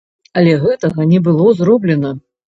Але гэтага не было зроблена.